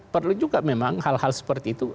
perlu juga memang hal hal seperti itu